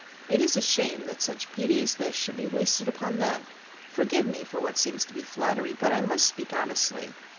It is a shame that such beauty as this should be wasted upon them! Forgive me for what seems to be flattery, but I must speak honestly.